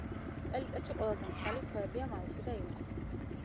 წელიწადში ყველაზე მშრალი თვეებია მაისი და ივნისი.